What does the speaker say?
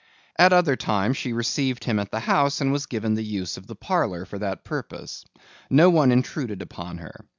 At other times she received him at the house and was given the use of the parlor for that purpose. No one intruded upon her.